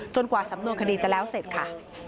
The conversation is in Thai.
กว่าสำนวนคดีจะแล้วเสร็จค่ะ